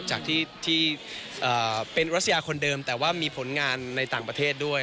จากที่เป็นรัสยาคนเดิมแต่ว่ามีผลงานในต่างประเทศด้วย